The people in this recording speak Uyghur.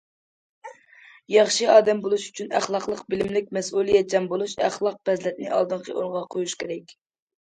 ياخشى ئادەم بولۇش ئۈچۈن، ئەخلاقلىق، بىلىملىك، مەسئۇلىيەتچان بولۇش، ئەخلاق- پەزىلەتنى ئالدىنقى ئورۇنغا قويۇش كېرەك.